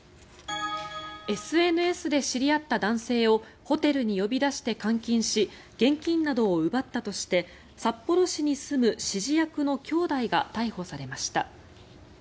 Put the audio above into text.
ＳＮＳで知り合った男性をホテルに呼び出して監禁し現金などを奪ったとして札幌市に住む指示役の兄弟が逮捕されました。